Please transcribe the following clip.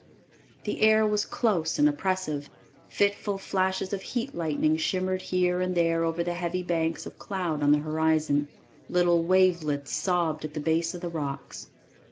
The air was close and oppressive; fitful flashes of heat lightning shimmered here and there over the heavy banks of cloud on the horizon; little wavelets sobbed at the base of the rocks.